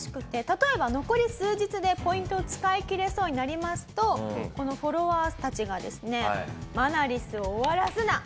例えば残り数日でポイントを使いきれそうになりますとこのフォロワーたちがですね。